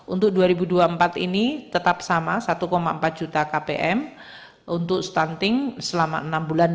untuk dua ribu dua puluh empat ini tetap sama satu empat juta kpm untuk stunting selama enam bulan